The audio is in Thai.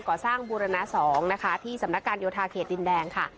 กอว์สร้างบุรณสองที่สํนการโยธาเขตดินแดง